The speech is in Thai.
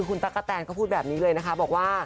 คุณปลั๊กกะแทนเขาพูดแบบนี้เลยนะ